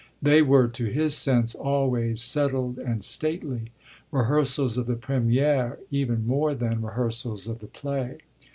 They were to his sense always settled and stately, rehearsals of the première even more than rehearsals of the play.